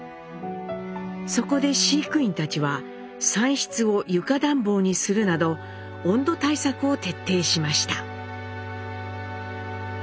そこで飼育員たちは産室を床暖房にするなど温度対策を徹底しました。